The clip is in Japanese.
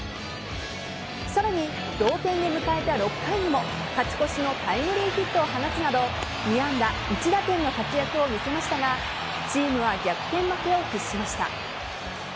さらに、同点で迎えた６回にも勝ち越しのタイムリーヒットを放つなど２安打１打点の活躍を見せましたがチームは逆転負けを喫しました。